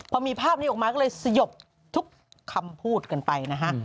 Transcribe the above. พอมีภาพนี้ออกมาก็เลยสยบทุกคำพูดกันไปนะฮะ